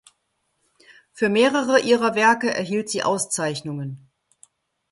Für mehrere ihrer Werke erhielt sie Auszeichnungen.